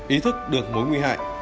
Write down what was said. ý thức được mối nguy hại